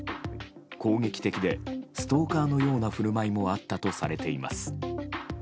攻撃的でストーカーのような振る舞いもあったとされています。